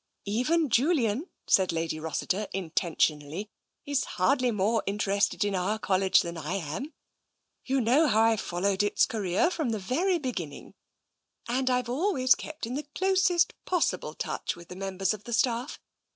Even Julian," said Lady Rossiter intentionally, " is hardly more interested in our College than I am. You know how I've followed its career from the very beginning and always kept in the closest possible touch i88 TENSION with the members of the staff.